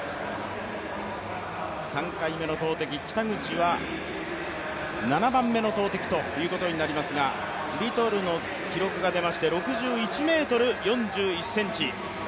３回目の投てき、北口は７番目の投てきということになりますがリトルの記録が出まして、６１ｍ４１ｃｍ。